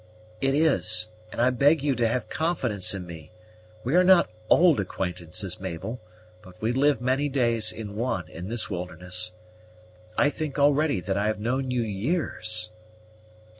"It is; and I beg you to have confidence in me. We are not old acquaintances, Mabel; but we live many days in one, in this wilderness. I think, already, that I have known you years!"